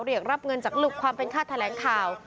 เรียกรับเงินจากลูกความเป็นค่าแถลงข่าว